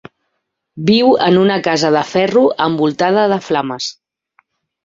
Viu en una casa de ferro envoltada de flames.